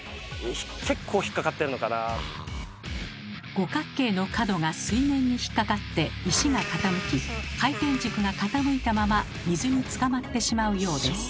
五角形の角が水面に引っかかって石が傾き回転軸が傾いたまま水につかまってしまうようです。